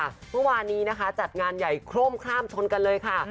เมื่อวานนี้นะคะจัดงานใหญ่โคร่มข้ามชนกันเลยค่ะ